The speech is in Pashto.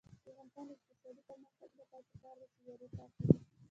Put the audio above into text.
د افغانستان د اقتصادي پرمختګ لپاره پکار ده چې ویالې پاکې وي.